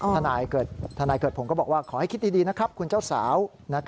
ทนายเกิดผลก็บอกว่าขอให้คิดดีนะครับคุณเจ้าสาว